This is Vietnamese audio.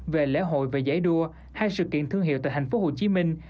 về lễ hội và giải đua hai sự kiện thương hiệu tại thành phố hồ chí minh